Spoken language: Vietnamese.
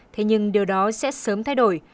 thế nhưng điều đó sẽ sớm thay đổi